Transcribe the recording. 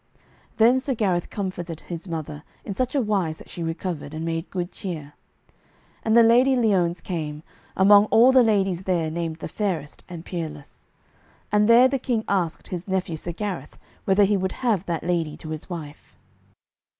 Then Sir Gareth comforted his mother in such a wise that she recovered, and made good cheer. And the Lady Liones came, among all the ladies there named the fairest and peerless. And there the King asked his nephew Sir Gareth whether he would have that lady to his wife.